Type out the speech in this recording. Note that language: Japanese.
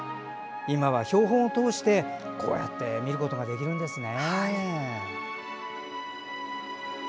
今は標本を通して見ることができるんですね。